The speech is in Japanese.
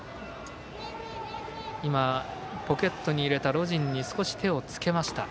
ポケットに入れたロジンに少し手をつけました。